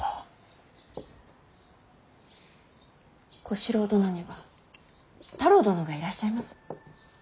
小四郎殿には太郎殿がいらっしゃいます。